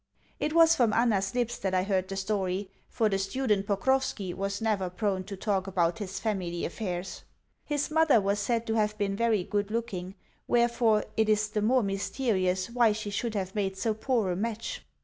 It was from Anna's lips that I heard the story, for the student Pokrovski was never prone to talk about his family affairs. His mother was said to have been very good looking; wherefore, it is the more mysterious why she should have made so poor a match.